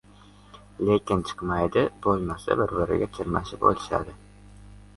Lekin chaqmaydi. Bo‘lmasa bir-biriga chirmashib, olishadi.